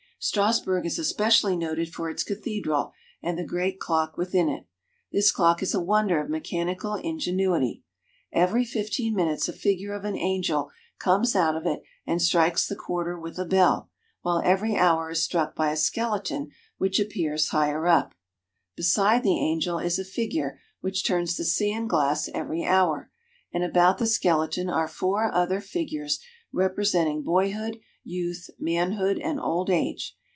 Strassburg is especially noted for its cathedral and the great clock within it. This clock is a wonder of mechanical ingenuity. Every fifteen minutes a figure of an angel comes out of it and strikes the quarter with a bell, while every hour is struck by a skeleton which appears higher up. Be 248 GERMANY. side the angel is a figure which turns the sand glass every hour, and about the skeleton are four other figures repre senting boyhood, youth, manhood, and old age.